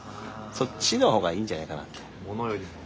そっちの方がいいんじゃないかなって。